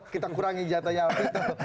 kita kurangi jatahnya apa itu